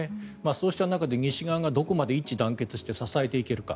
そうした中で西側がどこまで一致団結して支えていけるか。